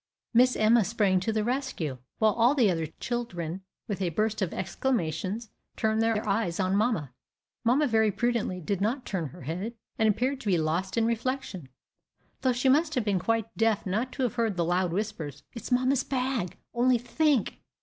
Miss Emma sprang to the rescue, while all the other children, with a burst of exclamations, turned their eyes on mamma. Mamma very prudently did not turn her head, and appeared to be lost in reflection, though she must have been quite deaf not to have heard the loud whispers "It's mamma's bag! only think!